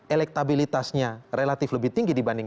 elektabilitasnya relatif lebih tinggi dibanding